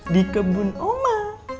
di kebun oma